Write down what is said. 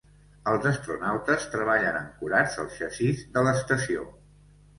Els astronautes treballen ancorats al xassís de l’estació.